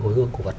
hồi hương cổ vật